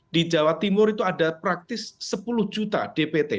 di jawa timur itu ada praktis sepuluh juta dpt